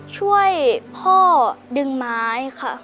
ช่วยพ่อดึงไม้ค่ะ